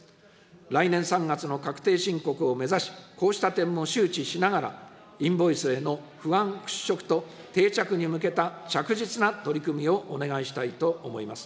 来年３月の確定申告を目指し、こうした点も周知しながら、インボイスへの不安払拭と、定着に向けた着実な取り組みをお願いしたいと思います。